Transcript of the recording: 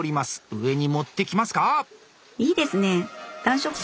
上に持ってきますか？